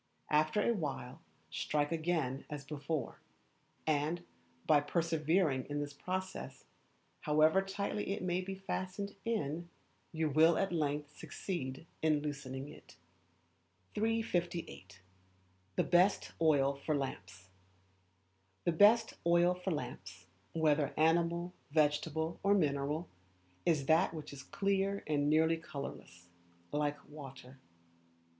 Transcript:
After a while strike again as before; and, by persevering in this process, however tightly it may be fastened in, you will at length succeed in loosening it. 358. The Best Oil for Lamps, whether animal, vegetable, or mineral, is that which is clear and nearly colourless, like water.